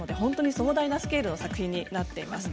壮大なスケールの作品になっています。